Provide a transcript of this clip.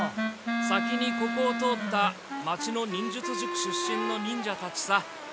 ・先にここを通った町の忍術塾出身の忍者たちさ。